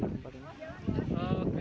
apa di tempat ini